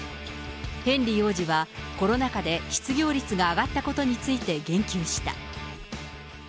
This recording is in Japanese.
ヘンリー王子はコロナ禍で失業率が上がったことについて言及した。